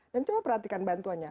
dan coba perhatikan bantuannya